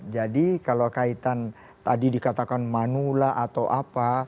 jadi kalau kaitan tadi dikatakan manula atau apa